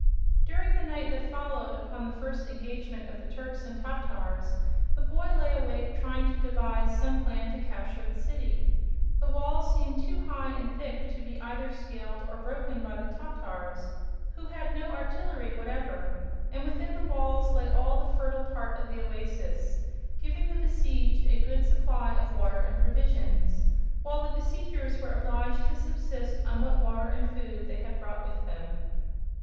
During the night that followed upon the first engagement of the Turks and Tatars, the boy lay awake trying to devise some plan to capture the city. The walls seemed too high and thick to be either scaled or broken by the Tatars, who had no artillery whatever; and within the walls lay all the fertile part of the oasis, giving the besieged a good supply of water and provisions, while the besiegers were obliged to subsist on what water and food they had brought with them.